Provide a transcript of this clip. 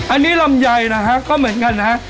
อันนี้ลำไยนะฮะก็เหมือนกันนะฮะ